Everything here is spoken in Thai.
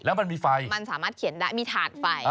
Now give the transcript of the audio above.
แล้วมันมีไฟมันสามารถเขียนได้มีถาดไฟ